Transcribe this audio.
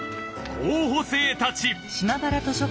候補生たち！